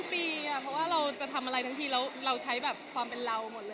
เพราะว่าเราจะทำอะไรทั้งทีแล้วเราใช้แบบความเป็นเราหมดเลย